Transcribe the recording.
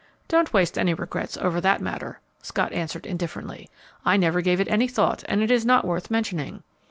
"Don't waste any regrets over that matter," Scott answered, indifferently; "I never gave it any thought, and it is not worth mentioning."